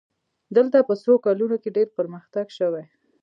دلته په څو کلونو کې ډېر پرمختګ شوی.